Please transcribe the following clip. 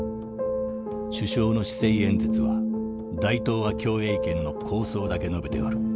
「首相の施政演説は大東亜共栄圏の構想だけ述べておる。